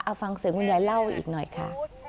เอาฟังเสียงคุณยายเล่าอีกหน่อยค่ะ